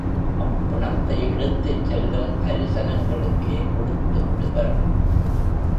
அப்பிணத்தை எடுத்துச் செல்லும் அரிசனங்களுக்கே கொடுத்து விடுவர்.